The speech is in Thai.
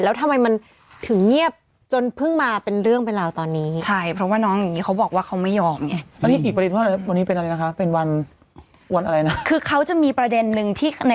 แล้วทำไมมันถึงเงียบจนเพิ่งมาเป็นเรื่องเป็นราวตอนนี้